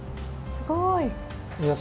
すごい。